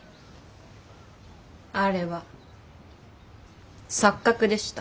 あれは錯覚でした。